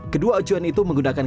kedua ajuan itu menggunakan